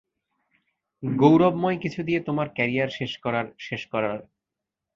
গৌরবময় কিছু দিয়ে তোমার ক্যারিয়ার শেষ করার শেষ করার।